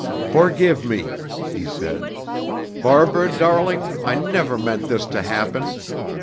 "Forgive me," he said, "Barbara, darling! I never meant this to happen.